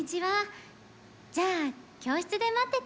じゃあ教室で待ってて。